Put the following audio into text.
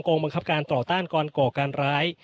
บังคับการต่อต้านการก่อการร้าย